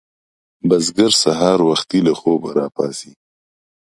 بزګر سهار وختي له خوبه راپاڅي